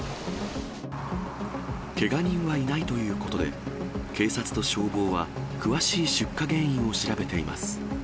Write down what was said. けが人はいないということで、警察と消防は詳しい出火原因を調べています。